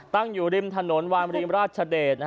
ตั้งอยู่ริมถนนวามริมราชเดช